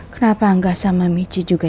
kenapa angga sama mici juga